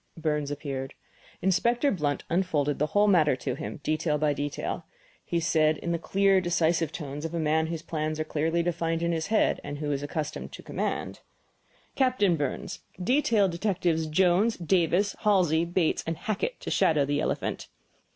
Burns appeared. Inspector Blunt unfolded the whole matter to him, detail by detail. Then he said in the clear, decisive tones of a man whose plans are clearly defined in his head and who is accustomed to command: "Captain Burns, detail Detectives Jones, Davis, Halsey, Bates, and Hackett to shadow the elephant."